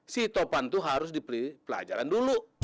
si topan itu harus dipelajaran dulu